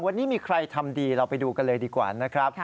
วันนี้มีใครทำดีเราไปดูกันเลยดีกว่านะครับ